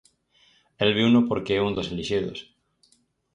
El viuno porque é un dos elixidos.